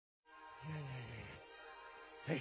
いやいやいやいやはい。